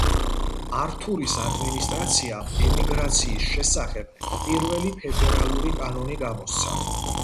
ართურის ადმინისტრაციამ ემიგრაციის შესახებ პირველი ფედერალური კანონი გამოსცა.